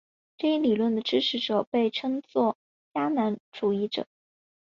这一理论的支持者被称作迦南主义者。